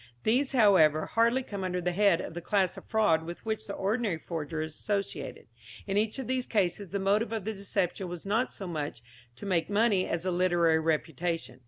These, however, hardly come under the head of the class of fraud with which the ordinary forger is associated. In each of these cases the motive of the deception was not so much to make money as a literary reputation.